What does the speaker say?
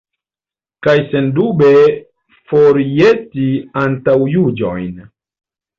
Kaj sendube forjeti antaŭjuĝojn.